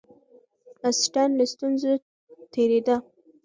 اسټن له ستونزو تېرېده.